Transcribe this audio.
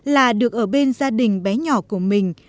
là được ở bên gia đình bé nhỏ của mình